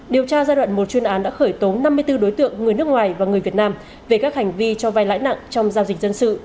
điều tra giai đoạn một chuyên án đã khởi tố năm mươi bốn đối tượng người nước ngoài và người việt nam về các hành vi cho vai lãi nặng trong giao dịch dân sự